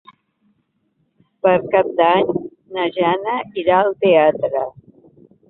Per Cap d'Any na Jana irà al teatre.